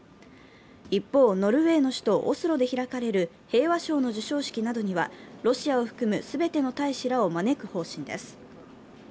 一方、ノルウェーの首都オスロで開かれる平和賞の授賞式などにはロシアを含む全ての大使らを招く方針です。